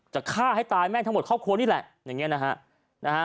จะฆ่าให้ตายแม่งทั้งหมดครอบครวยนี่แหละ